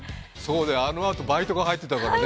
あのあとバイトが入ってたんだね。